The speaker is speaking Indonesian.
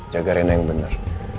jaga rena yang bener